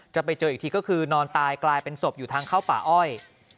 ไปเจออีกทีก็คือนอนตายกลายเป็นศพอยู่ทางเข้าป่าอ้อย